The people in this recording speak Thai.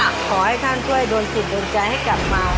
ขอให้ท่านช่วยโดนจิตโดนใจให้กลับมา